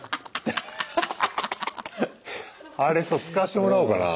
あれさ使わしてもらおうかなあ。